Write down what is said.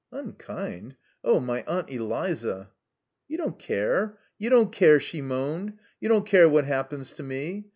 ''Unkind! Oh, my Aunt EKza!" "You don't care. You don't care," she moaned. "You don't care what happens to me.